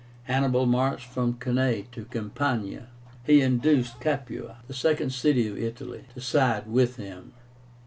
Hannibal marched from Cannae into Campania. He induced Capua, the second city of Italy, to side with him.